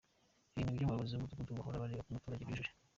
Ibi nibyo ubuyobozi bw’umudugudu buhora bureba ko umuturage abyujuje.